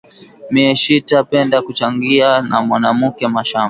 Miye shita penda kuchangiya na mwanamuke mashamba